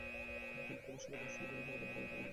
কিন্তু তোমার সঙ্গে দার্শনিক আলোচনা করবার মত লোক ঢের পাবে।